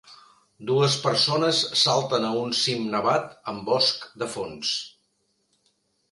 Dues persones salten a un cim nevat amb bosc de fons.